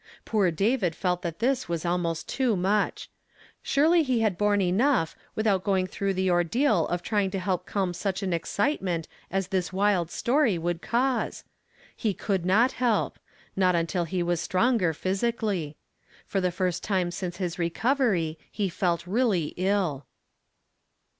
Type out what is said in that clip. Poor David felt that this was almost too nuich. Surely he had borne enough without going through the ordeal of trying to help calm such an excitement as this wild story would cause ! He could not help, not until "he was strongf .jhysically. For the first time since his recovery he felt really ill.